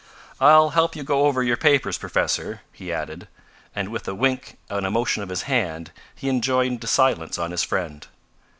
"I'll help you go over your papers, Professor," he added, and with a wink and a motion of his hand, he enjoined silence on his friend.